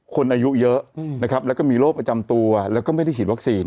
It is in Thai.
อายุเยอะนะครับแล้วก็มีโรคประจำตัวแล้วก็ไม่ได้ฉีดวัคซีน